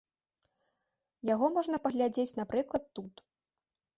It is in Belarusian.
Яго можна паглядзець, напрыклад, тут.